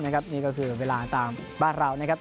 นี่ก็คือเวลาตามบ้านเรานะครับ